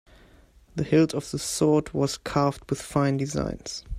The hilt of the sword was carved with fine designs.